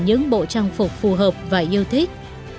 những bộ trang phục phù hợp và yêu thích